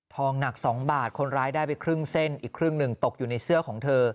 หนัก๒บาทคนร้ายได้ไปครึ่งเส้นอีกครึ่งหนึ่งตกอยู่ในเสื้อของเธอ